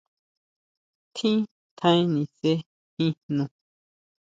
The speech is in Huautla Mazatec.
Tjín tjaen nise jin jno.